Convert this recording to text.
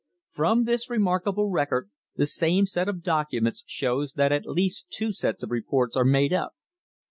From this remark able record the same set of documents shows that at least two sets of reports are made up.